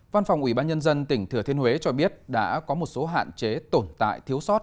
văn phòng ủy ban nhân dân tỉnh thừa thiên huế cho biết đã có một số hạn chế tồn tại thiếu sót